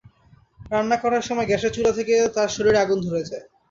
রান্না করার সময় গ্যাসের চুলা থেকে তাঁর শরীরে আগুন ধরে যায়।